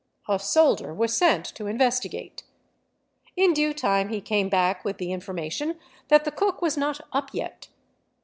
A soldier was sent to investigate. In due time he came back with the information that the cook was not up yet.